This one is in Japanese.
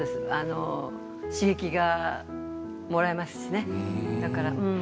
刺激がもらえますしね。